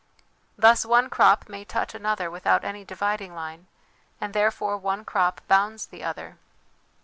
Thus one crop may touch another without any dividing line, and therefore one crop bounds the other.